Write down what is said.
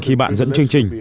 khi bạn dẫn chương trình